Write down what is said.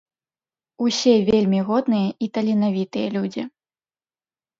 Усе вельмі годныя і таленавітыя людзі.